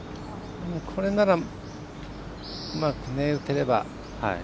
これなら、うまく打てれば。